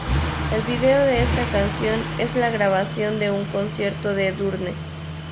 El vídeo de esta canción es la grabación de un concierto de Edurne.